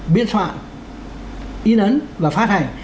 biên soạn in ấn và phát hành